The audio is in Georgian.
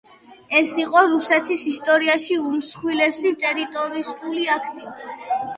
ეს იყო რუსეთის ისტორიაში უმსხვილესი ტერორისტული აქტი.